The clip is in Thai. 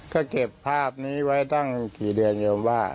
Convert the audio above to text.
ก็เก็บภาพนี้ไว้ตั้งกี่เดือนโยมว่า